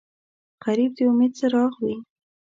غریب د امید څراغ وي